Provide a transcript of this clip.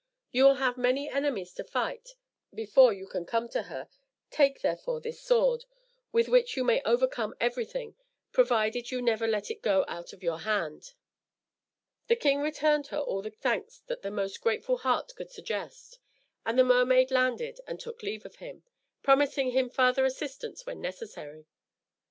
You will have many enemies to fight before you can come to her, take, therefore, this sword, with which you may overcome everything, provided you never let it go out of your hand." The king returned her all the thanks that the most grateful heart could suggest; and the mermaid landed and took leave of him, promising him farther assistance when necessary.